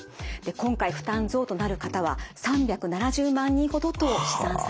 今回負担増となる方は３７０万人ほどと試算されています。